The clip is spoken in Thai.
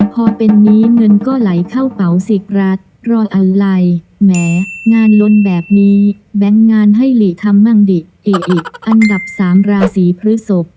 พอเป็นนี้เงินก็ไหลเข้าเป๋าสิกรัฐรอยอะไรแหมงานล้นแบบนี้แบงค์งานให้หลีทำบ้างดิเอออิอันดับสามราศีพฤศพ